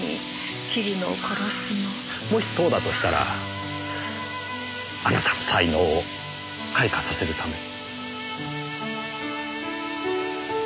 もしそうだとしたらあなたの才能を開花させるため。